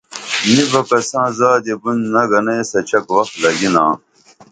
نی بہ کساں زادی بُن نگنہ ایس اڇھک وخ لگِنا